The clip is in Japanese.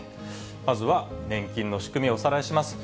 まずは年金の仕組み、おさらいします。